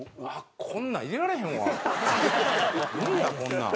無理やこんなん。